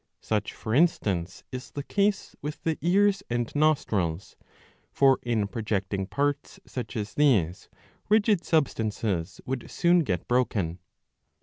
Such, for instance, is the case with the ears and nostrils ; for in projecting parts, such as these, rigid substances would soon get 655 a. 42 11. 9 broken.